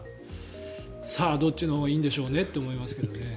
さあ、どっちのほうがいいんでしょうねと思いますけどね。